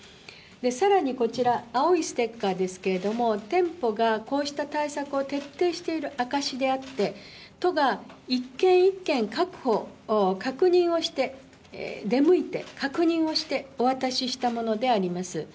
さらにこちら、青いステッカーですけれども、店舗がこうした対策を徹底している証しであって、都が一軒一軒確認をして、出向いて、確認をして、お渡ししたものであります。